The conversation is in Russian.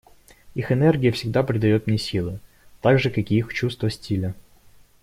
Их энергия всегда придает мне силы, так же как и их чувство стиля.